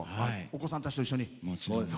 お子さんたちと一緒に？